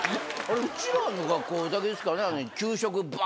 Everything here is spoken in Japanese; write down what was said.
あれうちらの学校だけですかね？